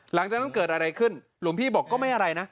หลังจากนั้นเกิดอะไรขึ้นหลวงพี่บอกก็ไม่อะไรนะ